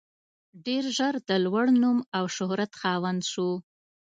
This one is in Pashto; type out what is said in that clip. ډېر ژر د لوړ نوم او شهرت خاوند شو.